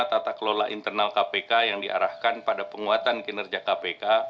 tata kelola internal kpk yang diarahkan pada penguatan kinerja kpk